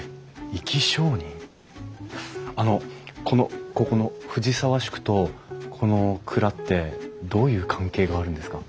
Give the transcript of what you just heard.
あのこのここの藤沢宿とこの蔵ってどういう関係があるんですか？